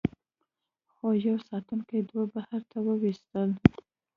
خو یوه ساتونکي دوی بهر ته وویستل